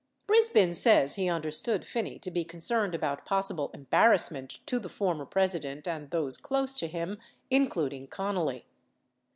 Brisbin says he understood Phinney to be concerned about possible embarrassment to the former President and those close to him, includ ing Connally.